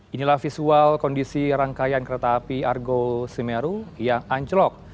inilah visual kondisi rangkaian kereta api argo semeru yang anjlok